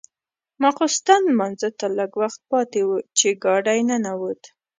ماخوستن لمانځه ته لږ وخت پاتې و چې ګاډی ننوت.